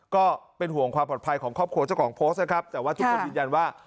ก็เป็นห่วงความปลอดภัยของครอบครัวเจ้าของโพสต์นะครับแต่ว่าทุกคนยืนยันว่า